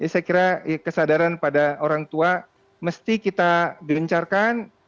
saya kira kesadaran pada orang tua mesti kita gencarkan